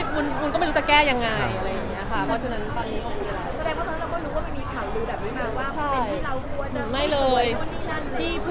คุณก็ไม่รู้จะแก้ยังไงอะไรอย่างนี้ค่ะ